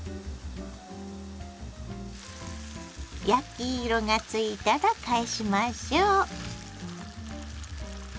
焼き色がついたら返しましょう。